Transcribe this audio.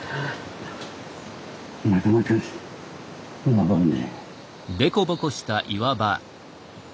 なかなか登るね。